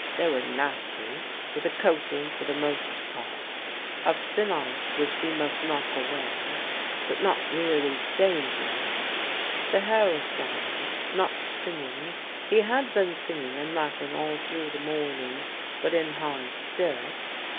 They were nasty, with a coating, for the most part, of thin ice which we must knock away; but not really dangerous. The Herr was silent; not singing he had been singing and laughing all through the morning but in high spirits.